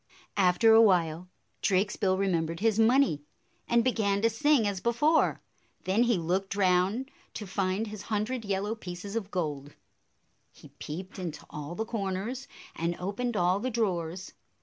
After a while, Drakesbill remembered his money, and began to sing as before. Then he looked round to find his hundred yellow pieces of gold. He peeped into all the corners and opened all the drawers.